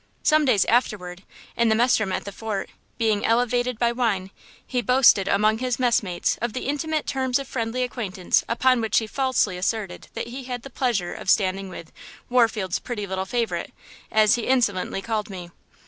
Some days afterward, in the mess room at the fort, being elevated by wine, he boasted among his messmates of the intimate terms of friendly acquaintance upon which he falsely asserted that he had the pleasure of standing with 'Warfield's pretty little favorite,' as he insolently called me.